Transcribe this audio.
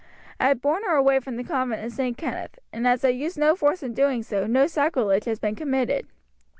I have borne her away from the convent of St. Kenneth, and as I used no force in doing so no sacrilege has been committed.